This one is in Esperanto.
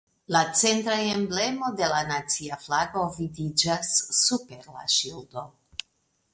La centra emblemo de la nacia flago vidiĝas super la ŝildo.